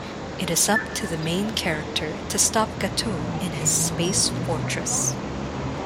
It is up to the main character to stop Gateau in his space fortress.